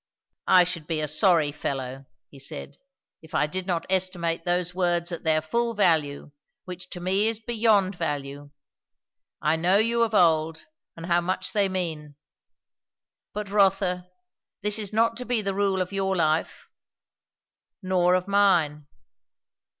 "I should be a sorry fellow," he said, "if I did not estimate those words at their full value, which to me is beyond value. I know you of old, and how much they mean. But, Rotha, this is not to be the rule of your life, nor of mine."